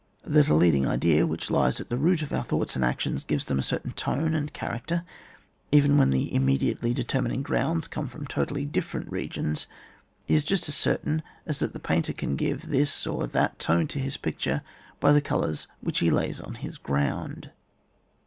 That a leading idea, which lies at the root of our thoughts and actions, gives them a certain tone and character, even when the immediately determining grounds come from totally different re gions, is just as certain as that the painter can give this or that tone to his picture by the colours with which he lays on his ground.